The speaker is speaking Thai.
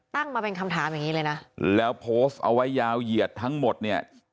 มาเป็นคำถามอย่างนี้เลยนะแล้วโพสต์เอาไว้ยาวเหยียดทั้งหมดเนี่ย